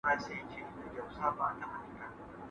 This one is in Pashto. ¬ له نه مړو ملک، سو ميرو.